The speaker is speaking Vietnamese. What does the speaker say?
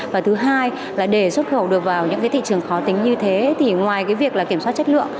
và thứ hai là để xuất khẩu được vào những cái thị trường khó tính như thế thì ngoài cái việc là kiểm soát chất lượng